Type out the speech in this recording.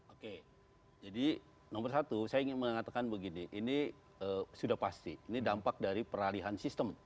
oke jadi nomor satu saya ingin mengatakan begini ini sudah pasti ini dampak dari peralihan sistem